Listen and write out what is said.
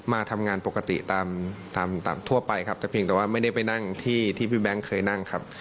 มาทำงานปกติตามตามทั่วไปครับแต่เพียงแต่ว่าไม่ได้ไปนั่งที่ที่พี่แบงค์เคยนั่งครับ